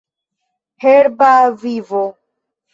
Herba vivo...